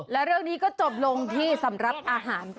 และเรื่องนี้ก็จบลงที่สำหรับอาหาร